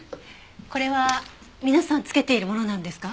これは皆さんつけているものなんですか？